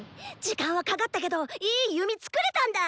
時間はかかったけどいい弓作れたんだ！